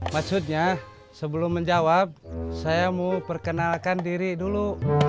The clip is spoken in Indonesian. maksudnya sebelum menjawab saya mau perkenalkan diri dulu